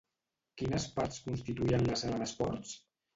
Quines parts constituïen la sala d'esports?